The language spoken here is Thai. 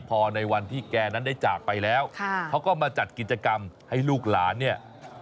พอในวันที่แกนั้นได้จากไปแล้วเขาก็มาจัดกิจกรรมให้ลูกหลานเนี่ย